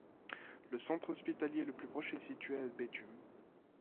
Le centre hospitalier le plus proche est situé à Béthune.